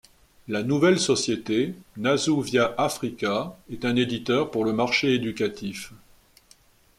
La nouvelle société, Nasou Via Afrika, est un éditeur pour le marché éducatif.